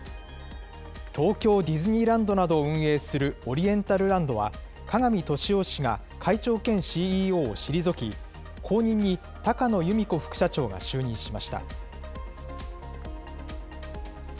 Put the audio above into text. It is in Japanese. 東京ディズニーランドなどを運営するオリエンタルランドは、加賀見俊夫氏が会長兼ＣＥＯを退き、後任に高野由美子副社長が就任しました。